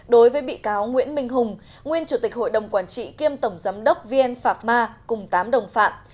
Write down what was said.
đối với bị cáo nguyễn minh hùng nguyên chủ tịch hội đồng quản trị kiêm tổng giám đốc vn phạc ma cùng tám đồng phạm